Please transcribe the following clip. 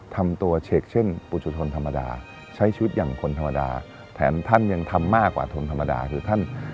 ทำถวายพระองค์ท่าน